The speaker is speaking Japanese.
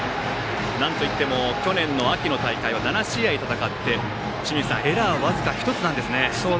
なんといっても去年の秋の大会は７試合戦ってエラー僅か１つなんですね。